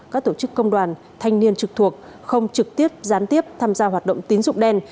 các tổ chức công đoàn thanh niên trực thuộc không trực tiếp gián tiếp tham gia hoạt động tín dụng đen